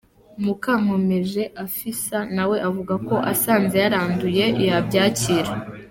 Mukankomeje Afissa nawe avuga ko asanze yaranduye yabyakira.